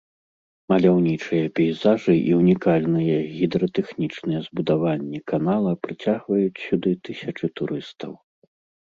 Маляўнічыя пейзажы і ўнікальныя гідратэхнічныя збудаванні канала прыцягваюць сюды тысячы турыстаў.